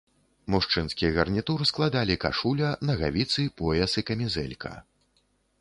Мужчынскі гарнітур складалі кашуля, нагавіцы, пояс і камізэлька.